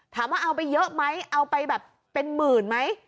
ถามว่าเอาไปเยอะไหมเอาไปแบบเป็นหมื่นไหม